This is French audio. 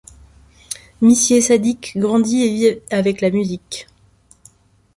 Misié Sadik grandit et vit avec la musique.